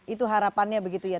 itu harapannya begitu ya